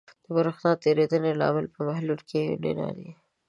د برېښنا تیریدنې لامل په محلول کې آیونونه دي.